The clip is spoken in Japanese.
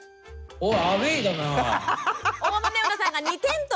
おい！